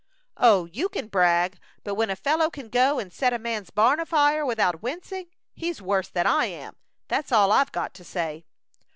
"O, you can brag; but when a fellow can go and set a man's barn afire, without wincing, he's worse than I am; that's all I've got to say."